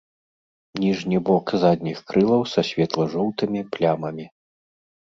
Ніжні бок задніх крылаў са светла-жоўтымі плямамі.